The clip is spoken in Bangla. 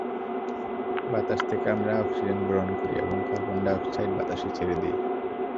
বাতাস থেকে আমরা অক্সিজেন গ্রহণ করি এবং কার্বন ডাই-অক্সাইড বাতাসে ছেড়ে দিই।